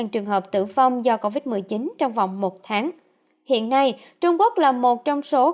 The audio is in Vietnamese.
một mươi trường hợp tử vong do covid một mươi chín trong vòng một tháng hiện nay trung quốc là một trong số